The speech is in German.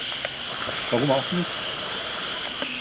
Warum auch nicht?